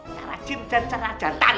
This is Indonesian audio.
cara jin dan cara jantan